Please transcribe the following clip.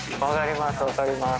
分かります